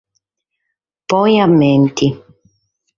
Pone mente.